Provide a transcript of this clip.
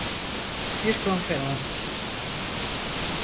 Bir Konferans